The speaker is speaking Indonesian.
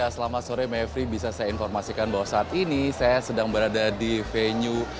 selamat sore mevri bisa saya informasikan bahwa saat ini saya sedang berada di venue